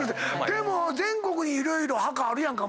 でも全国に色々墓あるやんか。